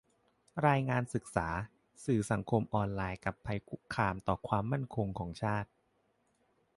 รายงานศึกษา "สื่อสังคมออนไลน์กับภัยคุกคามต่อความมั่นคงของชาติ"